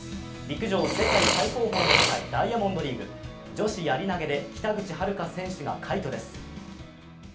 陸上世界最高峰の舞台、ダイヤモンドリーグ。女子やり投で北口榛花選手が快挙です。